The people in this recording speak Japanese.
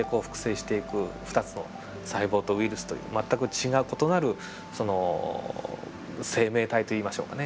２つの細胞とウイルスという全く違う異なる生命体といいましょうかね